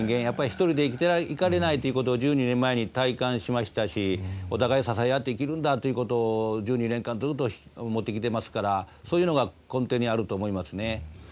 やっぱり一人で生きていかれないということを１２年前に体感しましたしお互い支え合って生きるんだということを１２年間ずっと思ってきてますからそういうのが根底にあると思いますね。